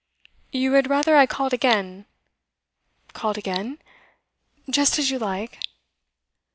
'You had rather I called again?' 'Called again? Just as you like.